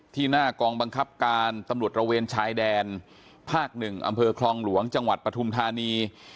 หน้ากองบังคับการตำรวจระเวนชายแดนภาค๑อำเภอคลองหลวงจังหวัดปฐุมธานี